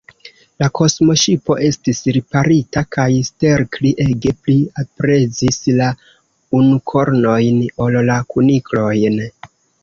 La kosmoŝipo estis riparita, kaj Stelkri ege pli aprezis la unukornojn ol la kuniklojn.